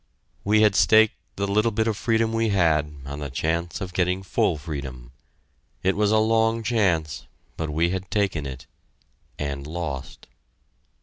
We had staked the little bit of freedom we had on the chance of getting full freedom. It was a long chance, but we had taken it and lost!